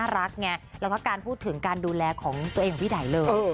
แล้วก็การพูดถึงดูแลของตัวเองของพี่ดายเลย